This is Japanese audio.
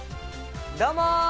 どうも！